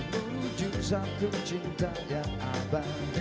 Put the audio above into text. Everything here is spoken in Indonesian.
semujuk satu cinta yang abadi